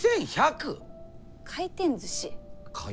回転ずし。